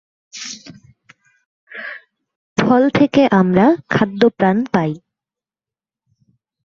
ফল থেকে আমরা খ্যাদ্যপ্রাণ পাই।